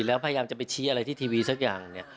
แล้วพยายามจะไปชี้อะไรที่ทีวีสักอย่างเนี่ย